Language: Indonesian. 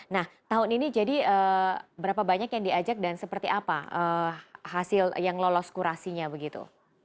nah tahun ini jadi berapa banyak yang diajak dan seperti apa hasil yang lolos kurasinya begitu